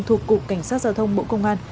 thuộc cục cảnh sát giao thông bộ công an